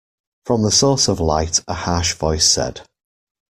From the source of light a harsh voice said.